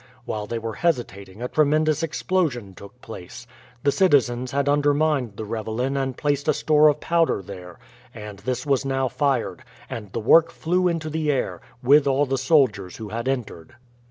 While they were hesitating a tremendous explosion took place. The citizens had undermined the ravelin and placed a store of powder there; and this was now fired, and the work flew into the air, with all the soldiers who had entered.